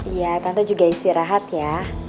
iya tante juga istirahat ya